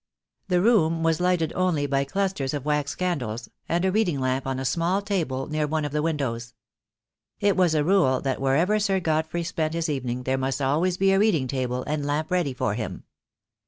The room was lighted only by clusters of wax candles, and a reading lamp on a small table near one of the 74 THE DAY WILL COME. windows. It was a rule that wherever Sir Godfrey spent his evening there must always be a reading table and lamp ready for him.